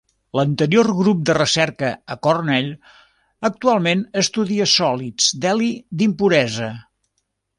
L'anterior grup de recerca a Cornell actualment estudia sòlids d'heli d'impuresa.